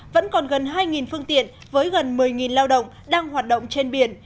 vẫn còn gần hai phương tiện với gần một mươi lao động đang hoạt động trên biển